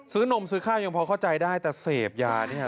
นมซื้อข้าวยังพอเข้าใจได้แต่เสพยาเนี่ย